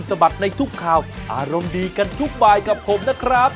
สวัสดีครับ